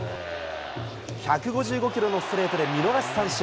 １５５キロのストレートで見逃し三振。